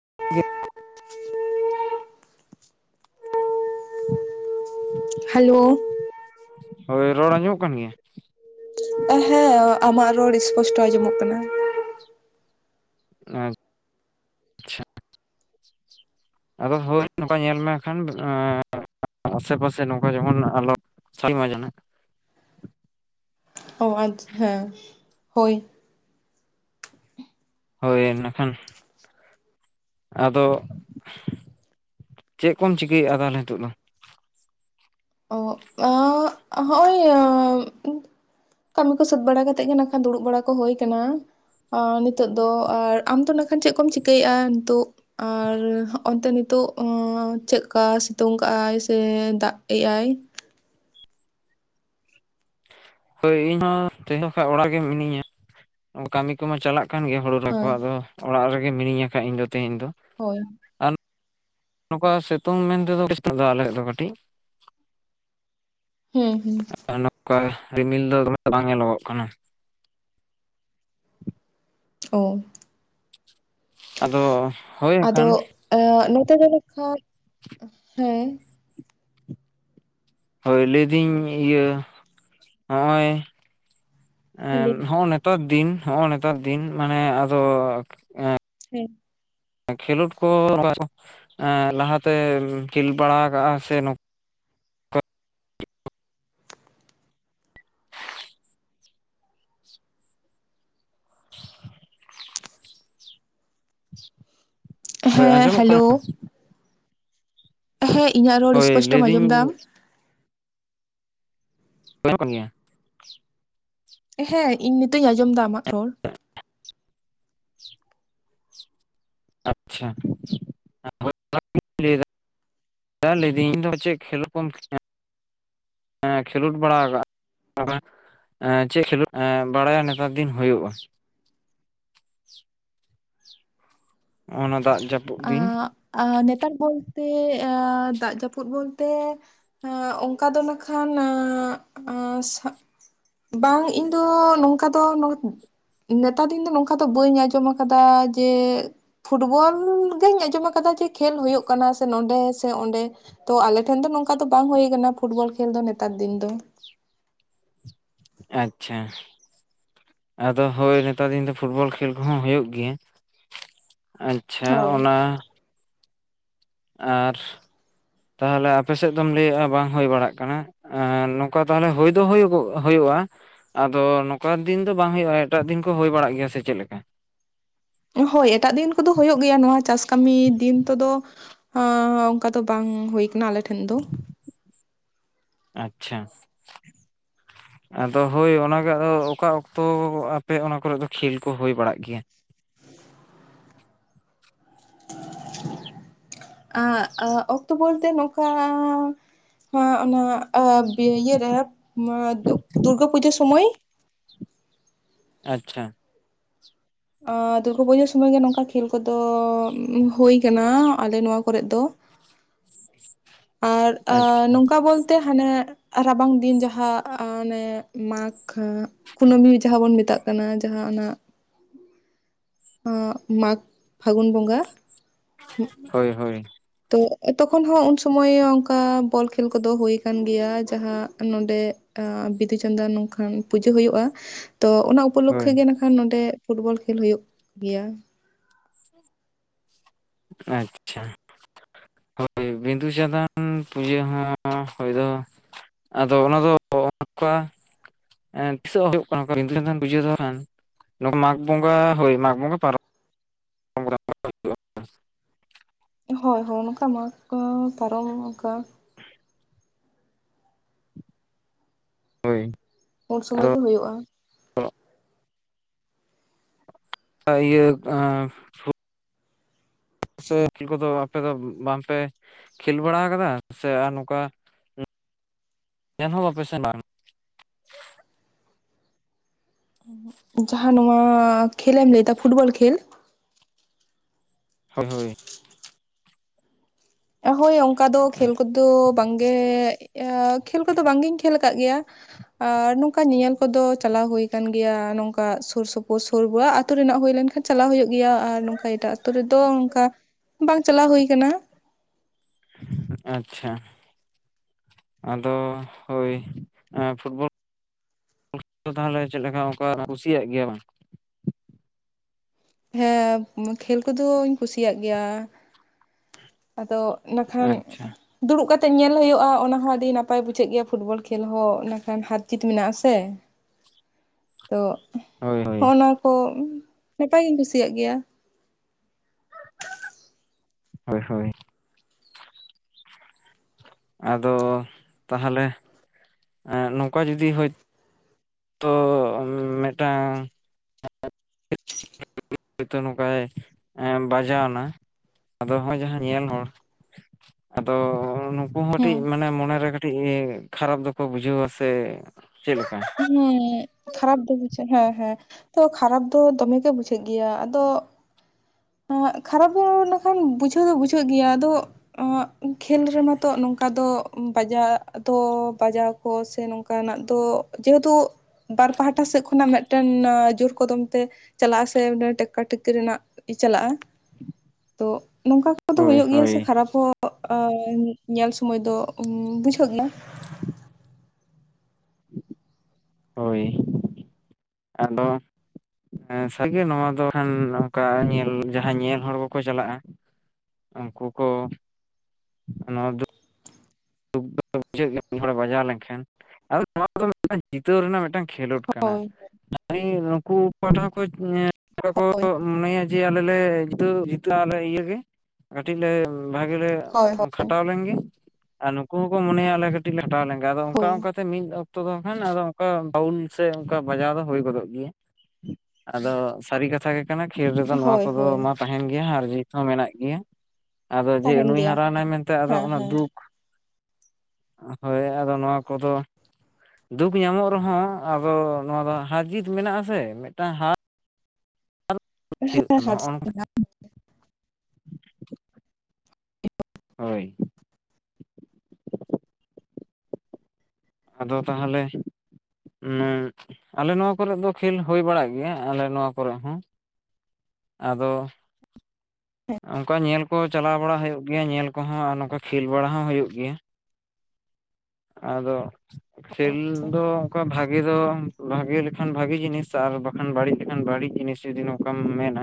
[inaudible] [inaudible] Hello. ᱦᱳᱭ ᱨᱚᱲ ᱟᱸᱡᱚᱢᱚᱜ ᱠᱟᱱ ᱜᱮᱭᱟ᱾ ᱦᱮᱸ ᱟᱢᱟᱜ ᱨᱚᱲ ᱤᱥᱯᱚᱥᱴᱚ ᱟᱸᱡᱚᱢᱚᱜ ᱠᱟᱱᱟ᱾ [inaudible] ᱟᱫᱚ ᱦᱳᱭ ᱱᱚᱝᱠᱟ ᱧᱮᱞ ᱢᱮᱠᱷᱟᱱ ᱟᱥᱮᱯᱟᱥᱮ ᱱᱚᱝᱠᱟ ᱡᱮᱢᱚᱱ ᱟᱞᱚ ᱥᱟᱞ ᱢᱟ ᱡᱚᱱᱮᱜ ᱚ [inaudible] ᱦᱮᱸ ᱦᱳᱭ᱾ ᱦᱳᱭ ᱱᱟᱠᱷᱟᱱ ᱟᱫᱚ, ᱪᱮᱜ ᱠᱚᱢ ᱪᱤᱠᱟᱹᱭᱮᱜᱼᱟ ᱛᱟᱦᱚᱞᱮ ᱱᱤᱛᱚᱜ ᱫᱚ? ᱚᱜ, [unintelligible] ᱦᱚᱜᱼᱚ [inaudible] ᱼᱼ ᱠᱟᱹᱢᱤ ᱠᱚ ᱥᱟᱹᱛ ᱵᱟᱲᱟ ᱠᱟᱛᱮᱫ ᱜᱮ ᱱᱟᱠᱷᱟᱱ ᱫᱩᱲᱩᱵ ᱵᱟᱲᱟ ᱠᱚ ᱦᱳᱭ ᱠᱟᱱᱟ। ᱚ ᱱᱤᱛᱚᱜ ᱫᱚ, ᱟᱨ ᱟᱢ ᱫᱚ ᱱᱟᱠᱷᱟᱱ ᱪᱮᱫ ᱠᱚᱢ ᱪᱤᱠᱟᱹᱭᱮᱜᱼᱟ ᱱᱤᱛᱳᱜ? ᱟᱨ ᱦᱚᱸᱜᱼᱛᱮ ᱱᱤᱛᱳᱜ ᱪᱮᱜᱠᱟ ᱥᱤᱛᱩᱝ ᱠᱟᱜᱼ ᱟᱭ? ᱥᱮ ᱫᱟᱜ ᱮ ᱟᱭ ᱦᱳᱭ ᱤᱧᱦᱚᱸ ᱛᱮᱦᱮᱧ ᱫᱚ ᱠᱷᱟᱡ ᱚᱲᱟᱜ ᱨᱮᱜᱮ ᱢᱤᱱᱟᱹᱧᱟ, ᱠᱟᱹᱢᱤ ᱠᱚᱢᱟ ᱪᱟᱞᱟᱜ ᱠᱟᱱ ᱜᱮᱭᱟ ᱦᱩᱲᱩ ᱨᱚᱦᱚᱭ ᱠᱚ, ᱦᱮᱸ ᱟᱫᱚ ᱚᱲᱟᱜ ᱨᱮᱜᱮ ᱢᱤᱱᱟᱹᱧᱟ ᱠᱷᱟᱡ ᱤᱧ ᱫᱚ ᱛᱮᱦᱮᱧ ᱫᱚ᱾ ᱦᱳᱭ᱾ ᱟᱨ ᱱᱚᱝᱠᱟ ᱥᱤᱛᱩᱝ ᱢᱮᱱᱛᱮᱫᱚ [inaudible] ᱟᱞᱮ ᱥᱮᱫ ᱫᱚ ᱠᱟᱹᱴᱤᱡ। ᱦᱩᱸ ᱦᱩᱸ। ᱠᱟ ᱨᱤᱢᱤᱞ ᱫᱚ ᱫᱚᱢᱮ ᱵᱟᱝ ᱧᱮᱞᱚᱜᱚᱜ ᱠᱟᱱᱟ। ᱚ᱾ ᱟᱫᱚ ᱦᱳᱭ᱾ ᱟᱠᱷᱟᱱ ᱼᱼ ᱮᱸᱻ ᱱᱚᱛᱮ ᱫᱚ ᱵᱟᱠᱷᱟᱱ, ᱦᱮᱸ। ᱦᱳᱭ, ᱞᱟᱹᱭᱫᱟᱹᱧ ᱤᱭᱟᱹ ᱦᱚᱜᱼᱚᱭ। ᱦᱮᱸ ᱦᱚᱜᱼ ᱱᱮ [unintelligible] ᱼᱼ ᱛᱟᱨ ᱫᱤᱱ, ᱦᱚᱸᱜᱼᱚᱭ ᱱᱮᱛᱟᱨ ᱫᱤᱱ। ᱢᱟᱱᱮ ᱟᱫᱚ ᱮᱸ ᱼᱼ [unintelligible] ᱠᱷᱮᱞᱳᱰ ᱠᱚ [unintelligible] ᱞᱟᱦᱟ ᱛᱮ ᱠᱷᱮᱞ ᱵᱟᱲᱟ ᱠᱟᱜᱼᱟ ᱥᱮ ᱼᱼ ᱦᱳᱭ, ᱦᱮᱸ ᱟᱸᱡᱚᱢᱚᱜ ᱠᱟᱱᱟ? ᱦᱮᱞᱳ ᱦᱮᱸ, ᱤᱧᱟᱹᱜ ᱨᱚᱲ ᱦᱳᱭ ᱤᱥᱯᱚᱥᱴᱚᱢ ᱟᱸᱡᱚᱢ ᱞᱟᱹᱭᱫᱟᱹᱧ ᱮᱫᱟᱢ? [unintelligible] ᱠᱟᱱ ᱜᱮᱭᱟ। ᱦᱮᱸ, ᱤᱧ ᱱᱤᱛᱚᱜ ᱤᱧ ᱟᱸᱡᱚᱢ ᱮᱫᱟ ᱟᱢᱟᱜ ᱨᱚᱲ। [inaudible] ᱟᱪᱪᱷᱟ, [unintelligible] ᱞᱟᱹᱭᱟ ᱼᱼ ᱦᱮᱸ ᱞᱟᱹᱭᱮᱫᱟᱹᱧ ᱤᱧᱫᱚ ᱪᱮᱫ ᱠᱷᱮᱞ ᱠᱚᱢ ᱠᱷᱮ [unintelligible] ᱼᱼ ᱮᱸᱸ ᱠᱷᱮᱞᱳᱰ ᱵᱟᱲᱟ ᱠᱟᱜ? [unintelligible] ᱪᱮᱫ ᱠᱷᱮᱞᱳᱰ ᱮᱸ ᱵᱟᱲᱟᱭᱟ? ᱱᱮᱛᱟᱨ ᱫᱤᱱ ᱦᱳᱭᱳᱜᱼᱟ। ᱦᱚᱱᱟ ᱫᱟᱜ ᱡᱟᱯ ᱼᱼ ᱟᱜ ᱟᱻ ᱱᱮᱛᱟᱨ ᱵᱚᱞᱛᱮ, ᱮ ᱫᱟᱜ ᱡᱟᱹᱯᱩᱫ ᱵᱚᱞᱛᱮ ᱼᱼ ᱮᱸ ᱚᱝᱠᱟ ᱫᱚ ᱱᱟᱠᱷᱟᱱ, ᱮᱸᱻ ᱟᱸᱻ ᱥᱟᱵ [unintelligible] ᱼᱼ ᱵᱟᱝ ᱤᱧ ᱫᱚ ᱱᱚᱝᱠᱟ ᱫᱚ ᱢᱟᱱᱮ [unintelligible] ᱼᱼ ᱱᱮᱛᱟᱨ ᱫᱤᱱ ᱫᱚ ᱱᱚᱝᱠᱟ ᱫᱚ, ᱵᱟᱹᱧ ᱟᱸᱡᱚᱢ ᱟᱠᱟᱫᱟ। ᱡᱮ, ᱯᱷᱩᱴᱵᱚᱞ ᱼᱼ ᱫᱩᱧ ᱟᱸᱡᱚᱢ ᱟᱠᱟᱫᱟ। ᱡᱮ, ᱠᱷᱮᱞ ᱦᱳᱭᱩᱜ ᱠᱟᱱᱟ ᱥᱮ ᱱᱚᱰᱮ ᱥᱮ ᱚᱸᱰᱮ। ᱛᱚ, ᱟᱞᱮ ᱴᱷᱮᱱ ᱫᱚ ᱱᱚᱝᱠᱟ ᱫᱚ ᱵᱟᱝ ᱦᱩᱭ ᱠᱟᱱᱟ। ᱯᱷᱩᱴᱵᱚᱞ ᱠᱷᱮᱞ ᱫᱚ ᱱᱮᱛᱟᱨ ᱫᱤᱱ ᱫᱚ। ᱟᱪᱪᱷᱟ। ᱟᱫᱚ ᱦᱳᱭ। ᱱᱮᱛᱟᱨ ᱫᱤᱱ ᱫᱚ ᱯᱷᱩᱴᱵᱚᱞ ᱠᱷᱮᱞ ᱠᱚᱦᱚᱸ ᱦᱩᱭᱩᱜ ᱜᱮᱭᱟ। ᱟᱪ ᱼᱼ ᱪᱷᱟ ᱦᱳᱭ ᱚᱱᱟ ᱼᱼ ᱟᱨ, ᱛᱟᱦᱚᱞᱮ ᱟᱯᱮ ᱥᱮᱫ ᱫᱚᱢ ᱞᱟᱹᱭᱮᱫᱼᱟ᱾ ᱵᱟᱝ ᱦᱳᱭ ᱵᱟᱲᱟᱜ ᱠᱟᱱᱟ। ᱮ ᱱᱚᱝᱠᱟ ᱛᱟᱦᱚᱞᱮ ᱦᱳᱭ ᱫᱚ ᱦᱳᱭᱩᱜᱚᱜ ᱦᱩᱭᱩᱜᱼᱟ। ᱟᱫᱚ ᱱᱚᱝᱠᱟᱱ ᱫᱤᱱ ᱫᱚ ᱵᱟᱝ ᱦᱩᱭᱩᱜᱼᱟ। ᱮᱴᱟᱜ ᱫᱤᱱ ᱠᱚ ᱦᱩᱭ ᱵᱟᱲᱟᱜ ᱜᱮᱭᱟ᱾ ᱥᱮ ᱪᱮᱫ ᱞᱮᱠᱟ? ᱦᱳᱭ ᱮᱴᱟᱜ ᱫᱤᱱ ᱠᱚᱫᱚ ᱦᱩᱭᱩᱜ ᱜᱮᱭᱟ। ᱱᱚᱣᱟ ᱪᱟᱥ ᱠᱟᱹᱢᱤ ᱫᱤᱱ ᱛᱮᱫᱚ ᱼᱼ ᱦᱚᱸ, ᱚᱱᱠᱟ ᱫᱚ ᱵᱟᱝ ᱦᱩᱭ ᱟᱠᱟᱱᱟ ᱟᱞᱮᱴᱷᱮᱱ ᱫᱚ। ᱟᱪᱪᱷᱟ। [inaudible] ᱟᱫᱚ ᱦᱳᱭ, ᱚᱱᱟᱜᱮ ᱟᱫᱚ, ᱚᱠᱟ ᱚᱠᱛᱚ ᱟᱯᱮ ᱚᱱᱟ ᱠᱚᱨᱮᱫ ᱫᱚ ᱠᱷᱮᱞ ᱠᱚ ᱦᱳᱭ ᱵᱟᱲᱟᱜ ᱜᱮᱭᱟ? ᱮᱸᱜ, ᱟᱜ, ᱚᱠᱛᱚ ᱵᱚᱞᱛᱮ ᱱᱚᱝᱠᱟᱻ, ᱦᱮᱸ ᱚᱱᱟ ᱼᱼ ᱮ ᱵᱤ ᱤᱭᱟᱹ ᱨᱮ। [unintelligible] ᱫᱩᱨᱜᱟᱹ ᱯᱩᱡᱟᱹ ᱥᱚᱢᱚᱭ। ᱟᱪᱪᱷᱟ। ᱚᱸᱻ ᱫᱩᱨᱜᱟᱹ ᱯᱩᱡᱟᱹ ᱥᱚᱢᱚᱭ ᱜᱮ ᱱᱚᱝᱠᱟ ᱠᱷᱮᱞ ᱠᱚᱫᱚ ᱦᱩᱭ ᱠᱟᱱᱟ। ᱟᱞᱮ ᱱᱚᱣᱟ ᱠᱚᱨᱮᱜ ᱫᱚ। ᱟᱨ ᱟ ᱟᱪᱪᱷᱟ ᱱᱚᱝᱠᱟ ᱵᱚᱞᱼᱼ ᱛᱮ ᱦᱟᱱᱮ ᱮᱜ ᱟ ᱨᱟᱵᱟᱝ ᱫᱤᱱ ᱡᱟᱦᱟᱸ ᱟᱸ ᱚᱱᱮ ᱢᱟᱠ ‌ᱦᱟᱸᱜ᱾ ᱠᱩᱱᱟᱹᱢᱤ ᱡᱟᱦᱟᱸ ᱵᱚᱱ ᱢᱮᱛᱟᱜ ᱠᱟᱱᱟ ᱡᱟᱦᱟᱸ ᱚᱱᱟ᱾ ᱟᱸᱻᱜ ᱢᱟᱜᱽ ᱯᱷᱟᱹᱜᱩᱱ ᱵᱚᱸᱜᱟ᱾ ᱦᱳᱭ ᱦᱳᱭ᱾ ᱛᱚ ᱛᱚᱠᱷᱚᱱ ᱦᱚᱸ ᱩᱱ ᱥᱩᱢᱟᱹᱭ ᱚᱱᱠᱟ ᱵᱚᱞ ᱠᱷᱮᱞ ᱠᱚᱫᱚ ᱦᱩᱭ ᱠᱟᱱ ᱜᱮᱭᱟ ᱡᱟᱦᱟᱸ ᱱᱚᱸᱰᱮ ᱼ ᱟᱸ ᱵᱤᱫᱩ ᱪᱟᱸᱫᱟᱱ ᱱᱚᱝᱠᱟᱱ ᱯᱩᱡᱟᱹ ᱦᱩᱭᱩᱜ-ᱟ ᱛᱚ ᱚᱱᱟ ᱚᱠᱼᱼ ᱩᱯᱚᱞᱚᱠᱠᱷᱤ ᱦᱳᱭ ᱜᱮ ᱱᱟᱠᱷᱟᱱ ᱱᱚᱸᱰᱮ ᱯᱷᱩᱴᱵᱚᱞ ᱠᱷᱮᱞ ᱦᱩᱭᱩᱜ ᱜᱮᱭᱟ᱾ ᱟᱪᱪᱷᱟ ᱾ ᱦᱳᱭ ᱵᱤᱸᱫᱩ ᱪᱟᱸᱫᱟᱱ ᱯᱩᱡᱟᱹ ᱦᱚᱸ ᱦᱚᱭ ᱫᱚ ᱟᱫᱚ ᱚᱱᱟ ᱫᱚ ᱚᱝᱠᱟ ᱮᱸ ᱛᱤᱥᱚᱜ ᱦᱩᱭᱩᱜ ᱠᱟᱱᱟ ᱚᱠᱟ ᱵᱤᱸᱫᱩ ᱪᱟᱸᱱᱫᱟᱱ ᱯᱩᱪᱟᱹ ᱫᱚ ᱠᱷᱟᱱ ᱢᱟᱜᱽ ᱵᱚᱸᱜᱟ, ᱦᱳᱭ ᱢᱟᱜᱽ ᱵᱚᱸᱜᱟ ᱯᱟᱨᱚᱢ [inaudible] ᱦᱩᱭᱩᱜ-ᱟ ᱾ ᱦᱳᱭ ᱦᱳᱭ ᱱᱚᱝᱠᱟ ᱢᱟᱠ‌ ᱠᱚ ᱯᱟᱨᱚᱢ ᱚᱝᱠᱟ ᱦᱳᱭ ᱩᱱ ᱥᱩᱢᱟᱹᱭ ᱟᱫᱚ ᱜᱮ ᱦᱩᱭᱩᱜ-ᱟ ᱾ ᱠᱟ ᱤᱭᱟᱹ ᱟᱸ ᱯᱷᱩ ᱥᱮ ᱠᱷᱮᱞ ᱠᱚᱫᱚ ᱟᱯᱮ ᱫᱚ ᱵᱟᱝ ᱯᱮ ᱠᱷᱮᱞ ᱵᱟᱲᱟ ᱟᱠᱟᱫᱟ ᱥᱮ ᱟᱨ ᱱᱚᱝᱠᱟ ᱩᱸ ᱜᱟᱱ ᱦᱚᱸ ᱵᱟᱯᱮ‌ ᱥᱮ ᱵᱟᱝ? ᱩᱸᱦᱩᱸᱜ ᱾ ᱡᱟᱦᱟᱸ ᱱᱚᱣᱟ ᱠᱷᱮᱞ ᱮᱢ ᱞᱟᱹᱭ ᱫᱟ ᱯᱷᱩᱴᱵᱚᱞ ᱠᱷᱮᱞ ᱦᱳᱭ ᱦᱳᱭ ᱾ ᱦᱳᱭ ᱚᱝᱠᱟ ᱫᱚ ᱠᱷᱮᱞ ᱠᱚᱫᱚ ᱵᱟᱝ ᱜᱮ ᱮᱻ ᱠᱷᱮᱞ ᱠᱚᱫᱚ ᱵᱟᱝ ᱜᱤᱧ ᱠᱷᱮᱞ ᱠᱟᱜ ᱜᱮᱭᱟ ᱾ ᱟᱨ ᱱᱚᱝᱠᱟ ᱧᱮᱧᱮᱞ ᱠᱚᱫᱚ ᱪᱟᱞᱟᱣ ᱦᱩᱭ ᱠᱟᱱ ᱜᱮᱭᱟ ᱱᱚᱝᱠᱟ ᱥᱩᱨ ᱥᱩᱯᱩᱨ ᱥᱩᱨ ᱵᱟᱣᱟᱜ ᱟᱛᱩ ᱨᱮᱱᱟᱜ ᱦᱩᱭ ᱞᱮᱱᱠᱷᱟᱱ ᱪᱟᱞᱟᱣ ᱦᱳᱭᱳᱜ ᱜᱮᱭᱟ ᱟᱨ ᱱᱚᱝᱠᱟ ᱮᱴᱟᱜ ᱟᱛᱩ ᱨᱮᱫᱚ ᱚᱝᱠᱟ ᱵᱟᱝ ᱪᱟᱞᱟᱣ ᱦᱩᱭ ᱠᱟᱱᱟ ᱾ ᱟᱪᱪᱷᱟ ᱾ ᱟᱫᱚ ᱦᱳᱭ ᱮᱸ ᱯᱷᱩᱴᱵᱚᱞ ᱠᱷᱮᱞ‌ ᱫᱚ ᱛᱟᱦᱚᱞᱮ ᱪᱮᱜ ᱞᱮᱠᱟ ᱚᱝᱠᱟ ᱠᱩᱥᱤᱭᱟᱜ ᱜᱮᱭᱟ ᱵᱟᱝ? ᱦᱮᱸ ᱠᱷᱮᱞ ᱠᱚ ᱫᱚᱧ ᱠᱩᱥᱤᱭᱟᱜ ᱜᱮᱭᱟ ᱾ ᱟᱫᱚ ᱤᱱᱟᱹ ᱠᱷᱟᱱ ᱟᱪᱪᱷᱟ ᱫᱩᱲᱩᱵ ᱠᱟᱛᱮᱜ ᱧᱮᱞ ᱦᱩᱭᱩᱜ-ᱟ ᱚᱱᱟ ᱦᱚᱸ ᱟᱰᱤ ᱱᱟᱯᱟᱭ ᱵᱩᱡᱷᱟᱹᱜ ᱜᱮᱭᱟ ᱯᱷᱩᱴᱵᱚᱞ ᱠᱷᱮᱞ ᱦᱚᱸ ᱚᱱᱟ ᱠᱷᱟᱱ ᱦᱟᱨ ᱪᱤᱛ ᱢᱮᱱᱟᱜ-ᱟ ᱥᱮ ᱾ ᱛᱚ ᱦᱳᱭ ᱦᱳᱭ ᱦᱚᱸᱜ-ᱚ ᱱᱚᱣᱟ ᱠᱚ ᱱᱟᱯᱟᱭ ᱜᱤᱧ ᱠᱩᱥᱤᱭᱟᱜ ᱜᱮᱭᱟ ᱾ ᱦᱳᱭ ᱦᱳᱭ ᱾ ᱟᱫᱚ ᱛᱟᱦᱚᱞᱮ ᱮᱸᱜ ᱱᱚᱝᱠᱟ ᱡᱩᱫᱤ ᱦᱳᱭ ᱛᱳ ᱢᱮᱫᱴᱟᱝ [inaudible] ᱦᱚᱭᱛᱚ ᱱᱚᱝᱠᱟᱭ ᱮᱸᱭ ᱵᱟᱡᱟᱣ ᱱᱟ ᱟᱫᱚ ᱦᱚᱸᱭ ᱡᱟᱦᱟᱸ ᱧᱮᱞ ᱦᱚᱲ ᱟᱫᱚ‌ ᱦᱚᱸᱜ-ᱱᱚ ᱠᱩ ᱦᱚᱸ ᱦᱮᱸ ᱠᱟᱹᱴᱤᱡ ᱢᱟᱱᱮ ᱢᱚᱱᱮ ᱨᱮ ᱠᱟᱹᱴᱤᱡ ᱮ ᱠᱷᱟᱨᱟᱯ ᱫᱚᱠᱚ ᱵᱩᱡᱷᱟᱹᱣᱟ ᱥᱮ ᱪᱮᱫ ᱞᱮᱠᱟ? ᱦᱮᱸ ᱠᱷᱟᱨᱟᱯ ᱫᱚ ᱵᱩᱡᱷᱟᱹᱜ ᱦᱮᱸ ᱦᱮᱸ, ᱛᱚ ᱠᱷᱟᱨᱟᱯ ᱫᱚ ᱫᱚᱢᱮ ᱜᱮ ᱵᱩᱡᱷᱟᱹᱜ ᱜᱮᱭᱟ ᱟᱫᱚ ᱚᱸᱜ ᱠᱷᱟᱨᱟᱯ ᱫᱚ ᱱᱟ ᱠᱷᱟᱱ ᱵᱩᱡᱷᱟᱹᱣ ᱫᱚ ᱵᱩᱡᱷᱟᱹᱜ ᱜᱮᱭᱟ ᱟᱫᱚ ᱟᱹᱜ ᱠᱷᱮᱞ ᱨᱮᱢᱟ ᱛᱚ ᱱᱚᱝᱠᱟ ᱫᱚ ᱵᱟᱡᱟᱣ ᱫᱚ ᱵᱟᱡᱟᱣ ᱠᱚ ᱥᱮ ᱱᱚᱝᱠᱟ ᱱᱟᱜ ᱫᱚ ᱡᱮᱦᱮᱛᱩ ᱵᱟᱨ ᱯᱟᱦᱴᱟ ᱥᱮᱜ ᱠᱷᱚᱱᱟᱜ ᱢᱤᱫᱴᱮᱱ ᱚ ᱡᱳᱨ ᱠᱚᱫᱚᱢ ᱛᱮ ᱪᱟᱞᱟᱜ-ᱟ ᱥᱮ ᱢᱮᱫᱴᱮᱱ ᱴᱮᱠᱠᱟ ᱴᱮᱠᱠᱤ ᱨᱮᱱᱟᱜ ᱠᱤ ᱪᱟᱞᱟᱜ-ᱟ, ᱛᱚ ᱱᱚᱝᱠᱟ ᱠᱚᱫᱚ ᱦᱳᱭ ᱦᱩᱭᱩᱜ ᱜᱮᱭᱟ ᱥᱮ ᱦᱳᱭ ᱠᱷᱟᱨᱟᱯ ᱦᱚᱸ ᱚᱜ, ᱚᱻ ᱧᱮᱞ ᱥᱚᱩᱢᱟᱹᱭ ᱫᱚ ᱩᱸ ᱵᱩᱡᱷᱟᱹᱜ ᱜᱮᱭᱟ ᱾ [unintelligible] ᱦᱳᱭ, ᱟᱫᱚ ᱦᱮᱸ ᱥᱟᱨᱤ ᱜᱮ ᱱᱚᱣᱟ ᱫᱚ ᱠᱷᱟᱱ ᱱᱚᱝᱠᱟ ᱧᱮᱞ ᱡᱟᱦᱟᱸ ᱧᱮᱞ ᱦᱚᱲ ᱠᱚᱠᱚ ᱪᱟᱞᱟᱜ-ᱟ ᱩᱱᱠᱩ ᱠᱚ ᱱᱚᱣᱟ ᱫᱩᱠ ᱫᱩᱠ ᱫᱚ ᱵᱩᱡᱷᱟᱹᱜ ᱜᱮᱭᱟ ᱢᱤᱫ ᱦᱚᱲᱮ ᱵᱟᱡᱟᱣ ᱞᱮᱱᱠᱷᱟᱱ ᱟᱫᱚ ᱱᱚᱣᱟ ᱫᱚ ᱴᱤᱫᱴᱟᱝ ᱡᱤᱛᱟᱹᱣ ᱨᱮᱱᱟᱜ ᱢᱮᱫᱴᱟᱝ ᱠᱷᱮᱞᱳᱰ ᱠᱟᱱᱟ ᱦᱳᱭ ᱾ [unintelligible] ᱫᱟᱲᱤ‌ ᱱᱩᱠᱩ [unintelligible] ᱠᱚ ᱱᱚᱠᱟ ᱠᱚ ᱦᱳᱭ ᱢᱚᱱᱮᱭᱟ ᱡᱮ ᱟᱞᱮ ᱞᱮ ᱡᱤᱛᱟᱹᱣ [unintelligible] ᱟᱞᱮ ᱤᱭᱟ. ᱜᱮ ᱠᱟᱹᱴᱤᱡ ᱞᱮ ᱵᱷᱟᱜᱮ ᱞᱮ ᱦᱳᱭ ᱠᱷᱟᱴᱟᱣ ᱞᱮᱱ ᱜᱮ ᱾ ᱟᱨ ᱱᱩᱠᱩ ᱦᱚᱸᱠᱚ ᱢᱚᱱᱮᱭᱟ ᱟᱮᱞ ᱠᱟᱹᱴᱤᱡ ᱞᱮ ᱠᱷᱟᱴᱟᱣ ᱞᱮᱱ ᱜᱮ ᱟᱫᱚ ᱚᱱᱠᱟ ᱦᱳᱭ ᱚᱱᱠᱟ ᱥᱮ ᱢᱤᱫ ᱚᱠᱛᱚ ᱫᱚ ᱠᱷᱟᱱ ᱟᱫᱚ ᱚᱱᱠᱟ ᱵᱟᱣᱩᱞ ᱥᱮ ᱚᱱᱠᱟ ᱵᱟᱡᱟᱣ ᱫᱚ ᱦᱩᱭ ᱜᱚᱫᱚᱜ ᱜᱮᱭᱟ᱾ ᱟᱫᱚ ᱥᱟᱹᱨᱤ ᱠᱟᱛᱷᱟ ᱜᱮ ᱠᱟᱱᱟ ᱠᱷᱮᱞ ᱨᱮᱫᱚ ᱱᱚᱣᱟ ᱦᱳᱭ ᱠᱚᱫᱚ ᱦᱳᱭ ᱢᱟ ᱛᱟᱦᱮᱱ ᱜᱮᱭᱟ ᱦᱟᱨ ᱡᱤᱛ ᱦᱚᱸ ᱢᱮᱱᱟᱜ ᱜᱮᱭᱟ᱾ ᱟᱫᱚ ᱡᱮ ᱛᱟᱦᱮᱱ ᱱᱩᱭ ᱜᱮᱭᱟ ᱦᱟᱨᱟᱣᱱᱟᱭ ᱢᱮᱱᱛᱮ ᱟᱫᱚ ᱟᱱᱟ ᱫᱩᱠ ᱦᱳᱭ ᱟᱫᱚ ᱱᱚᱣᱟ ᱠᱚᱫᱚ ᱫᱩᱠ ᱧᱟᱢᱚᱜ ᱨᱮᱦᱚᱸ ᱟᱫᱚ ᱱᱚᱣᱟ ᱫᱚ ᱦᱟᱨ ᱡᱤᱛ ᱢᱮᱱᱟᱜ ᱟᱥᱮ ᱢᱤᱫᱴᱟᱝ ᱦᱟᱨ ᱦᱩᱭᱩᱜ ᱛᱟᱢᱟ ᱦᱚᱜᱼᱚ ᱱᱚᱝᱠᱟ [unintelligible] ᱦᱳᱭ᱾ ᱟᱫᱚ ᱛᱟᱦᱚᱞᱮ ᱩᱸᱜ ᱟᱞᱮ ᱱᱚᱣᱟ ᱠᱚᱨᱮ ᱫᱚ ᱠᱷᱮᱞ ᱦᱩᱭ ᱵᱟᱲᱟᱜ ᱜᱮᱭᱟ᱾ ᱟᱞᱮ ᱱᱚᱣᱟ ᱠᱚᱨᱮᱜ ᱦᱚᱸ᱾ ᱟᱫᱚ ᱚᱱᱠᱟ ᱧᱮᱞ ᱠᱚ ᱪᱟᱞᱟᱣ ᱵᱟᱲᱟ ᱦᱩᱭᱩᱜ ᱜᱮᱭᱟ ᱧᱮᱞ ᱠᱚᱦᱚᱸ ᱟᱨ ᱱᱚᱝᱠᱟ ᱠᱷᱮᱞ ᱵᱟᱲᱟ ᱦᱚᱸ ᱦᱩᱭᱩᱜ ᱜᱮᱭᱟ᱾ ᱟᱫᱚ ᱠᱷᱮᱞ ᱫᱚ ᱠᱟ ᱵᱷᱟᱜᱮ ᱫᱚ ᱵᱷᱟᱜᱮ ᱵᱷᱟᱜᱮ ᱞᱮᱠᱷᱟᱱ ᱵᱷᱟᱜᱮ ᱡᱤᱱᱤᱥ ᱟᱨ ᱵᱟᱠᱷᱟᱱ ᱵᱟᱹᱲᱤᱡ ᱞᱮᱠᱷᱟᱱ ᱵᱟᱹᱲᱤᱡ ᱡᱤᱱᱤᱥ ᱡᱩᱫᱤ ᱱᱚᱝ ᱠᱚᱢ ᱢᱮᱱᱟ᱾